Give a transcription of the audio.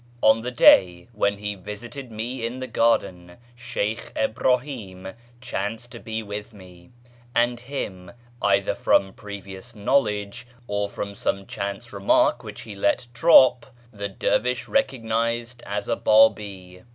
On the day when lie visited me in the garden, Sheykh Ibnihi'm chanced to be with me ; and him, either from previous knowledge, or from some chance remark which he let drop, the dervish recognised as a Biibi.